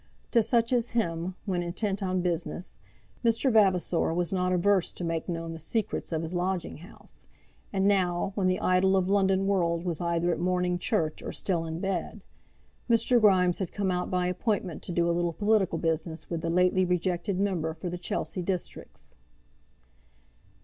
To such as him, when intent on business, Mr. Vavasor was not averse to make known the secrets of his lodging house; and now, when the idle of London world was either at morning church or still in bed, Mr. Grimes had come out by appointment to do a little political business with the lately rejected member for the Chelsea Districts.